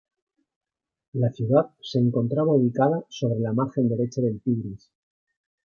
La ciudad se encontraba ubicada sobre la margen derecha del Tigris.